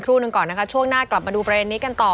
หนึ่งก่อนนะคะช่วงหน้ากลับมาดูประเด็นนี้กันต่อ